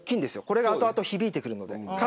これが後々、響いてくる。